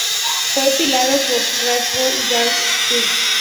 Fue pilotado por Ralf Schumacher y Jarno Trulli.